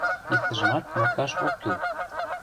Иктыжымат мокташ ок кӱл.